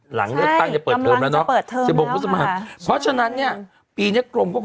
หลัง